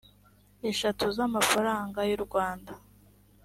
eshatu z amafaranga y u rwanda